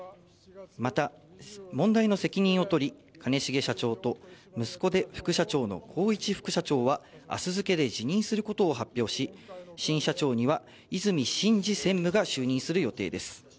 また問題の責任を取り、兼重社長と息子で副社長の宏一副社長は、あす付けで辞任することを発表し、新社長には和泉伸二専務が就任する予定です。